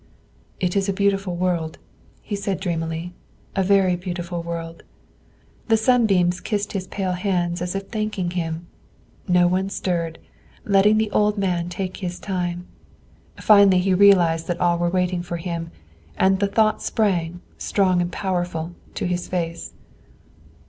"It is a beautiful world," he said dreamily, "a very beautiful world;" the sunbeams kissed his pale hands as if thanking him; no one stirred, letting the old man take his time. Finally he realized that all were waiting for him, and thought sprang, strong and powerful, to his face.